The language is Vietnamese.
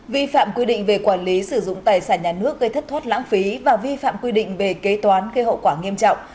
vi phạm quy định về quản lý sử dụng tài sản nhà nước gây thất thoát lãng phí và vi phạm quy định về kế toán gây hậu quả nghiêm trọng